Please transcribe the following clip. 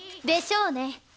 でしょうね。